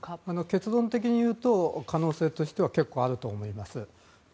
結論的に言うと可能性としては結構あると思います。